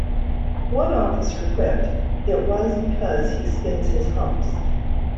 One officer quipped it was because he skins his humps.